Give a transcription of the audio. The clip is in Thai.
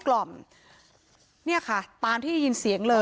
พ่ออยู่ข้างหน้าไหน